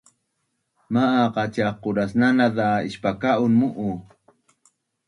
Ma’aq qa cia qudasnanaz za ispaka’un mu’u?